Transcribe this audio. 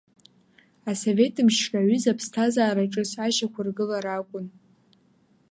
Асовет мчра аҩыза аԥсҭазаара ҿыц ашьақәыргылара акәын.